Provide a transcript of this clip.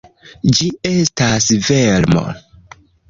Ĝi estas vermo.